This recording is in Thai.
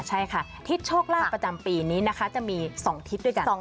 ใช่ค่ะทิศโชคลาภประจำปีนี้นะคะจะมี๒ทิศด้วยกัน